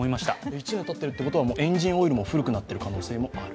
１年たっているということはエンジンオイルも古くなっているということもある？